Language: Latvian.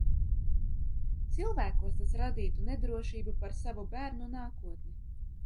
Cilvēkos tas radītu nedrošību par savu bērnu nākotni.